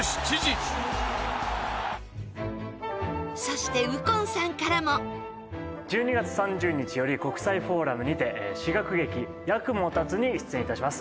そして、右近さんからも右近：１２月３０日より国際フォーラムにて詩楽劇『八雲立つ』に出演いたします。